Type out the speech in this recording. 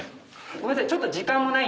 ごめんなさい。